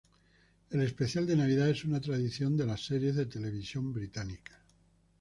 El especial de Navidad es una tradición en las series de televisión británica.